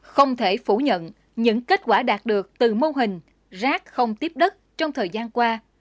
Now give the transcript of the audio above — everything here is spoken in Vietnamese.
không thể phủ nhận những kết quả đạt được từ mô hình rác không tiếp đất trong thời gian qua